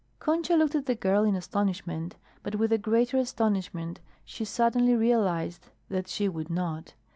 Concha looked at the girl in astonishment, but with a greater astonishment she suddenly realized that she would not.